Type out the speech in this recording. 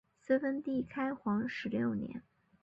隋文帝开皇十六年。